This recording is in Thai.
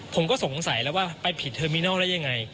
ผมก็สงสัยแล้วว่าไปผิดเทอร์มินอลได้ยังไง